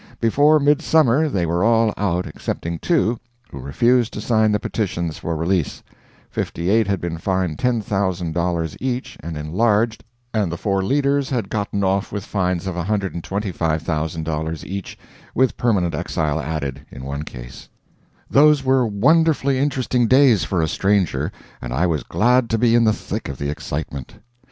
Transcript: Before midsummer they were all out excepting two, who refused to sign the petitions for release; 58 had been fined $10,000 each and enlarged, and the four leaders had gotten off with fines of $125,000 each with permanent exile added, in one case. Those were wonderfully interesting days for a stranger, and I was glad to be in the thick of the excitement.